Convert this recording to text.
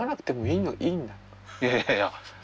いやいやいや。